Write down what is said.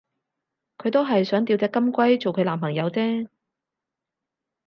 佢都係想吊隻金龜做佢男朋友啫